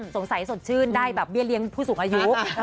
สงสัยสดชื่นได้แบบเบี้ยเรียงผู้สูงอายุ